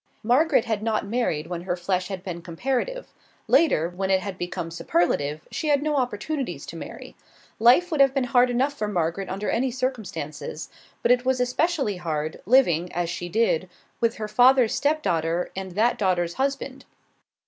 Margaret had not married when her flesh had been comparative; later, when it had become superlative, she had no opportunities to marry. Life would have been hard enough for Margaret under any circumstances, but it was especially hard, living, as she did, with her father's stepdaughter and that daughter's husband.